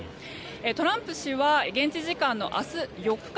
トランプ氏は現地時間の明日４日